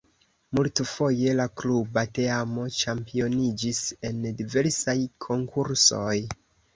Multfoje la kluba teamo ĉampioniĝis en diversaj konkursoj.